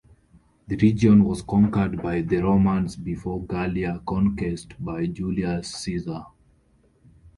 The region was conquered by the Romans before Gallia conquest by Julius Caesar.